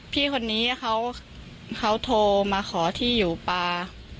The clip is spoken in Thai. พี่คนนี้เขาโทรมาขอที่อยู่ปลา